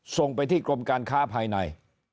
ส่งไปที่กรมการค้าภายใน